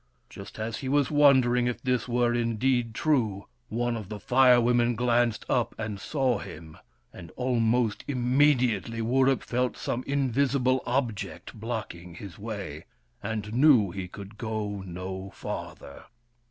Just as he was wondering if this were indeed true, one of the Fire Women glanced up and saw him ; and almost immediately Wurip felt some invisible object blocking his way, and knew he could go no farther.